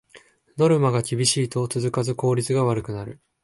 ノルマが厳しいと続かず効率が悪くなる